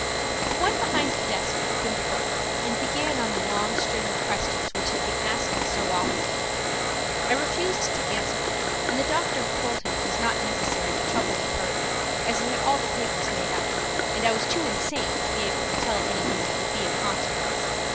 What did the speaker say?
The one behind the desk opened a book and began on the long string of questions which had been asked me so often. I refused to answer, and the doctor told him it was not necessary to trouble me further, as he had all the papers made out, and I was too insane to be able to tell anything that would be of consequence.